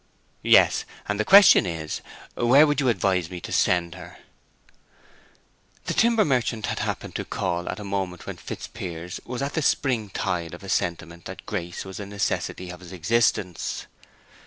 "Yes. And the question is, where would you advise me to send her?" The timber merchant had happened to call at a moment when Fitzpiers was at the spring tide of a sentiment that Grace was a necessity of his existence.